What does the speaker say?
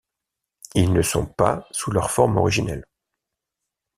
Ils ne sont pas sous leur forme originelle.